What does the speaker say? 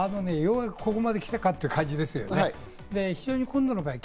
ようやくここまできたかという感じです。